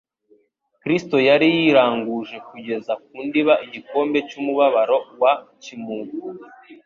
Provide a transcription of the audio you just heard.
Kristo yari yiranguje kugeza ku ndiba igikombe cy'umubabaro wa kimuntu.